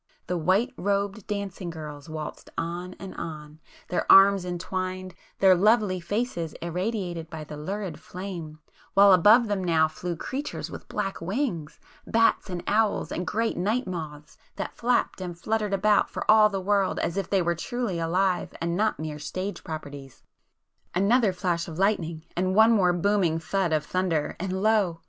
The white robed dancing girls waltzed on and on, their arms entwined, their lovely faces irradiated by the lurid flame, while above them now flew creatures with black wings, bats and owls, and great night moths, that flapped and fluttered about for all the world as if they were truly alive and not mere 'stage properties.' Another flash of lightning,—and one more booming thud of thunder,——and lo!